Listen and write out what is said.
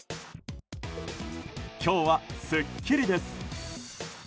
今日は、すっきりです。